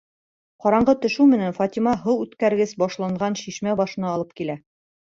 Ҡараңғы төшөү менән Фатима һыу үткәргес башланған шишмә башына алып килә.